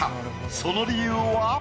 その理由は？